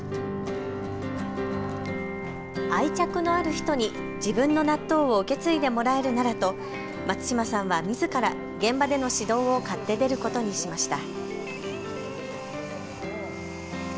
愛着のある人に自分の納豆を受け継いでもらえるならと松嶋さんはみずから現場での指導を買って出ることにしました。